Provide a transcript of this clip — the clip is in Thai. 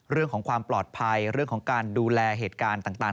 เรื่องของความปลอดภัยเรื่องของการดูแลเหตุการณ์ต่าง